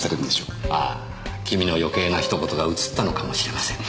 ああ君の余計な一言がうつったのかもしれませんね。